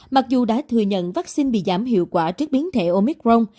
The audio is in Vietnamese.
mặc dù đã thừa nhận vaccine bị giảm hiệu quả trước biến thể omicron